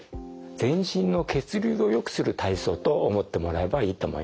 全身の血流をよくする体操と思ってもらえばいいと思います。